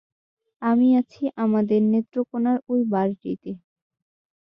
আমি আছি আমাদের নেত্রকোণার ঐ বাড়িটিতে।